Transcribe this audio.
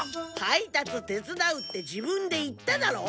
配達手伝うって自分で言っただろ？